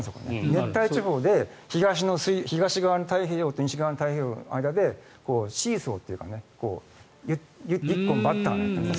熱帯地方で東側の太平洋と西側の太平洋の間でシーソーというかぎっこんばったんやってるんです。